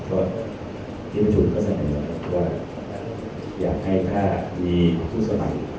เพราะที่ประชุมเขาแสดงว่าอยากให้ถ้ามีผู้สมัคร